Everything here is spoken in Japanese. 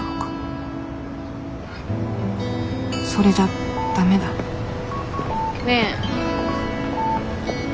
それじゃダメだねえ。